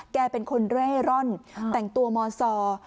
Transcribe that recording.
แกเป็นคนเร่ร่อนแต่งตัวมซอ